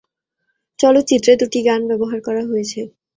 চলচ্চিত্রে দুটি গান ব্যবহার করা হয়েছে।